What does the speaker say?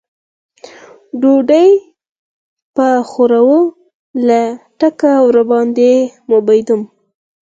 ډوډۍ به وخورو، له تګه وړاندې ومبېدم.